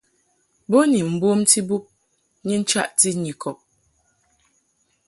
Bo ni mbomti bub ni nchaʼti Nyikɔb.